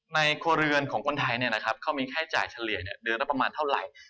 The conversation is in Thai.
ในครัวเรือนของคนไทยเนี่ยนะครับเขามีค่าใช้จ่ายเฉลี่ยเนี่ยเดือนได้ประมาณเท่าไหร่